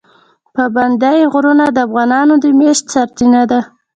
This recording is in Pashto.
پابندی غرونه د افغانانو د معیشت سرچینه ده.